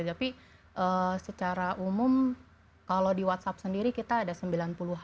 tapi secara umum kalau di whatsapp sendiri kita ada sembilan puluh an